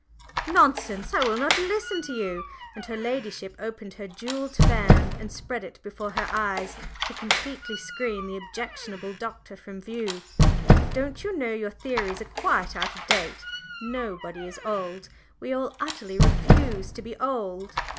"Nonsense! I will not listen to you!" and her ladyship opened her jewelled fan and spread it before her eyes to completely screen the objectionable Doctor from view. "Don't you know your theories are quite out of date? Nobody is old, we all utterly refuse to be old!